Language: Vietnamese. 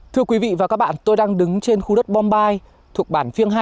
thưa quý vị và các bạn tôi đang đứng trên khu đất bom thuộc bản phiêng hai